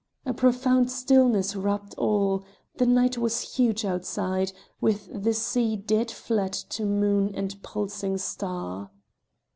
A profound stillness wrapped all; the night was huge outside, with the sea dead flat to moon and pulsing star.